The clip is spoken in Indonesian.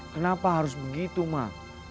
kenapa harus begitu mak